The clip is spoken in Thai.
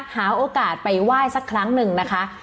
หาโอกาสไปไหว้สักครั้งหนึ่งนะคะ